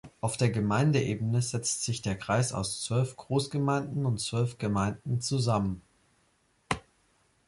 Auf Gemeindeebene setzt sich der Kreis aus zwölf Großgemeinden und zwölf Gemeinden zusammen.